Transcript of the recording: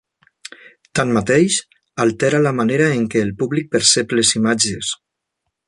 Tanmateix, altera la manera en què el públic percep les imatges.